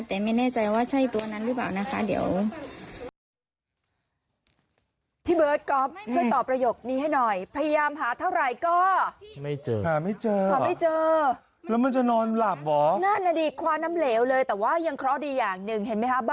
แต่ไม่แน่ใจว่าใช่ตัวนั้นหรือเปล่านะคะเดี๋ยว